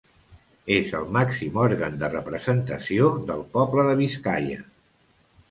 És el màxim òrgan de representació del poble de Biscaia.